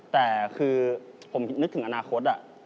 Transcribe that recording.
แต่คือผมนึกถึงอนาคต